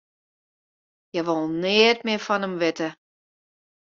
Hja wol neat mear fan him witte.